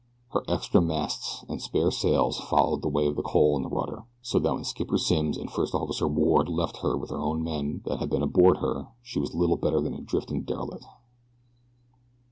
Her extra masts and spare sails followed the way of the coal and the rudder, so that when Skipper Simms and First Officer Ward left her with their own men that had been aboard her she was little better than a drifting derelict.